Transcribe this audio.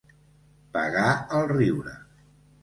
Pagar el riure.